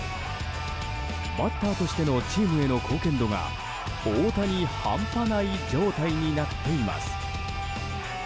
バッターとしてのチームへの貢献度が大谷半端ない状態になっています。